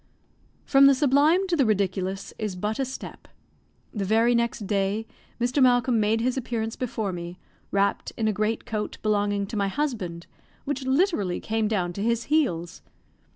From the sublime to the ridiculous is but a step. The very next day, Mr. Malcolm made his appearance before me, wrapped in a great coat belonging to my husband, which literally came down to his heels.